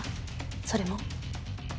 それも？